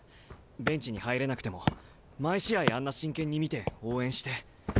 ベンチに入れなくても毎試合あんな真剣に見て応援して。